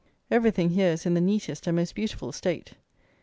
Everything here is in the neatest and most beautiful state.